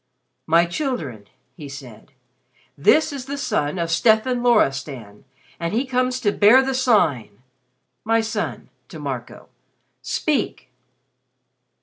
"My children," he said, "this is the son of Stefan Loristan, and he comes to bear the Sign. My son," to Marco, "speak!"